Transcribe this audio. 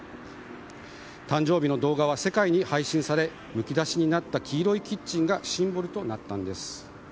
誕生日の動画は世界に発信されむき出しとなった黄色いキッチンがシンボルとなったんです。